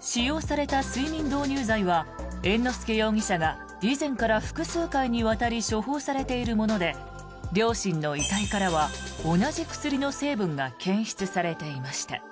使用された睡眠導入剤は猿之助容疑者が以前から複数回にわたり処方されているもので両親の遺体からは同じ薬の成分が検出されていました。